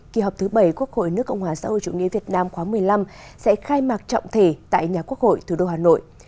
kỳ họp thứ bảy quốc hội nước cộng hòa xã hội chủ nghĩa việt nam khóa một mươi năm sẽ khai mạc trọng thể tại nhà quốc hội thủ đô hà nội